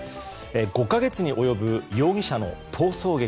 ５か月に及ぶ容疑者の逃走劇。